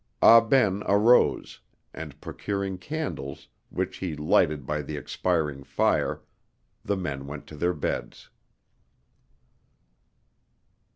Ah Ben arose, and procuring candles, which he lighted by the expiring fire, the men went to their beds.